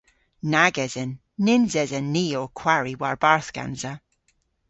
Nag esen. Nyns esen ni ow kwari war-barth gansa.